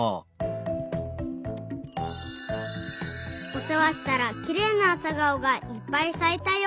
おせわしたらきれいなあさがおがいっぱいさいたよ。